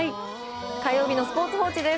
火曜日のスポーツ報知です。